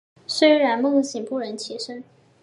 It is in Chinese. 虽然梦醒不忍起身